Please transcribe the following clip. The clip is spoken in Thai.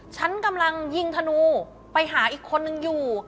ฉันกำลังยิงธนูไปหาอีกคนนึงอยู่